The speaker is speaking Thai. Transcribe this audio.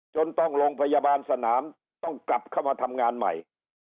จนต้องโรงพยาบาลสนามต้องกลับเข้ามาทำงานใหม่